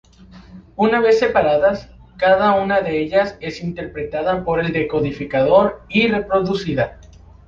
Una vez separadas, cada una de ellas es interpretada por el decodificador y reproducida.